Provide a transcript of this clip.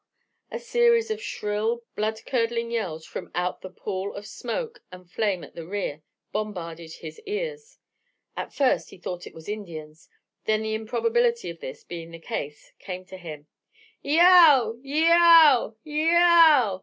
A series of shrill, blood curdling yells from out the pall of smoke and flame at the rear, bombarded his ears. At first he thought it was Indians; then the improbability of this being the case came to him. "Yeow! Yeow! Yeow!"